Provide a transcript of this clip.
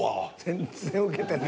全然ウケてない。